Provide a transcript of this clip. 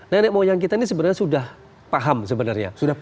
nenek moyang kita ini sebenarnya sudah paham sebenarnya